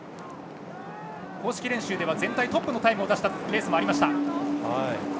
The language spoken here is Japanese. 公式練習では全体トップのタイムを出したレースもありました。